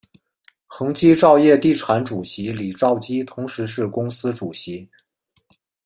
恒基兆业地产主席李兆基同时是公司主席。